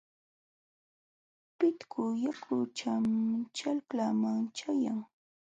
Pitku yakullam ćhaklaaman ćhayan.